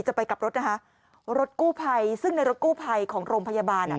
จะไปกลับรถนะคะรถกู้ภัยซึ่งในรถกู้ภัยของโรงพยาบาลอ่ะ